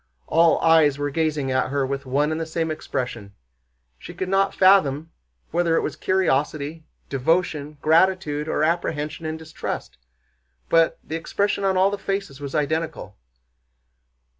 All eyes were gazing at her with one and the same expression. She could not fathom whether it was curiosity, devotion, gratitude, or apprehension and distrust—but the expression on all the faces was identical.